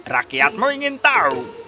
rakyatmu ingin tahu